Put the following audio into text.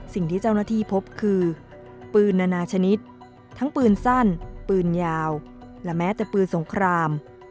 สิ่งที่เจ้าหน้าที่พบคือปืนนานาชนิดทั้งปืนสั้นปืนยาวและแม้แต่ปืนสงคราม